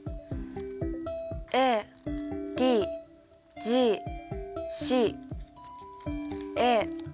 ＡＴＧＣＡＴＡ。